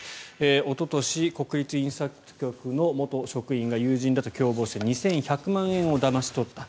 おととし、国立印刷局の元職員が友人らと共謀して２１００万円をだまし取った。